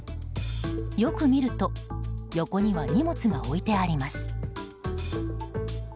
よく見ると横には荷物が置いてあります。